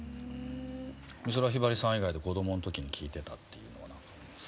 美空ひばりさん以外で子供の時に聴いてたっていうのは何かあります？